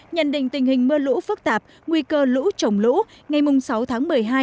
nhận định tình hình mưa lũ phức tạp nguy cơ lũ trồng lũ ngày sáu tháng một mươi hai